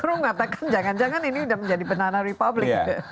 orang mengatakan jangan jangan ini sudah menjadi banana republic